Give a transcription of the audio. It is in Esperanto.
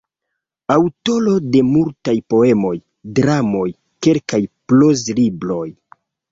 Aŭtoro de multaj poemoj, dramoj, kelkaj proz-libroj.